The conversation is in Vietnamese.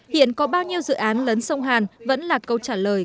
hiện có bao nhiêu dự án lấn sông hàn vẫn là câu trả lời